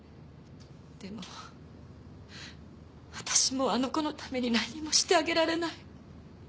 でも私もうあの子のために何もしてあげられない。